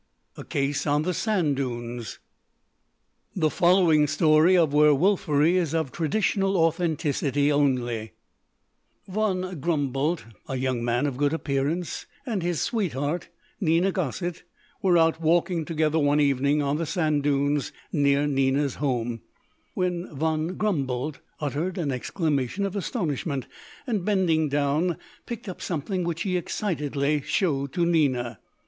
A CASE ON THE SAND DUNES The following story of werwolfery is of traditional authenticity only: Von Grumboldt, a young man of good appearance, and his sweetheart, Nina Gosset, were out walking together one evening on the sand dunes near Nina's home, when Von Grumboldt uttered an exclamation of astonishment, and bending down, picked up something which he excitedly showed to Nina.